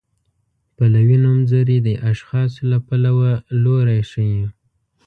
پلوي نومځري د اشخاصو له پلوه لوری ښيي.